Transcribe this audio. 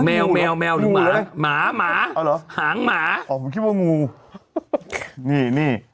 แมวแมวแมวหรือหมาหมาหางหมาอ๋อนี่นี่นี่